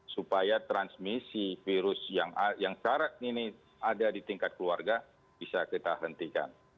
supaya transmisi virus yang sekarang ini ada di tingkat keluarga bisa kita hentikan